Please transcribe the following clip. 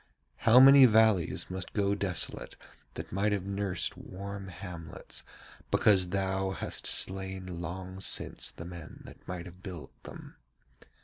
How many valleys must go desolate that might have nursed warm hamlets, because thou hast slain long since the men that might have built them?